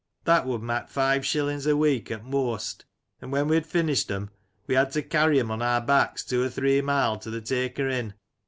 That would mak five shillings a week at moast ; and when we had finished 'em we had to carry 'em on our backs two or three mile to th' taker in.